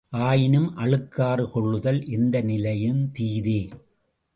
ஆயினும் அழுக்காறு கொள்ளுதல் எந்த நிலையிலும் தீதே.